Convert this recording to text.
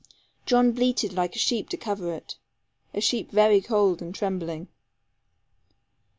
John bleated like a sheep to cover it a sheep very cold and trembling.